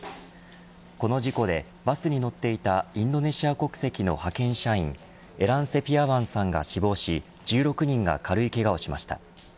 この事故でバスに乗っていたインドネシア国籍の派遣社員エラン・セピアワンさんが死亡し１６人が軽いけがをしました。